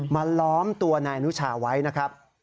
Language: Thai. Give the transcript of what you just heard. ล้อมตัวนายอนุชาไว้นะครับ